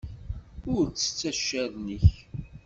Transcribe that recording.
Ur ttett accaren-nnek.